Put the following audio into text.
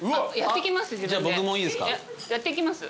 やってきます。